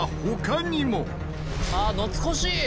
あ懐かしい！